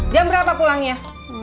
jam berapa pulangnya